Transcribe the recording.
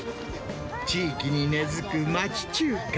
地域に根付く町中華。